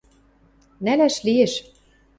Нӓлӓш лиэш...